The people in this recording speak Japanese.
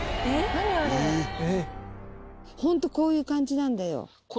ホントこういう感じなんだよ。